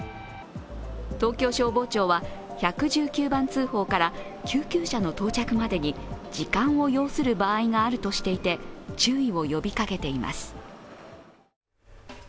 東京消防庁は１１９番通報から救急車の到着までに時間を要する場合があるとしていて、注意を呼びかけています。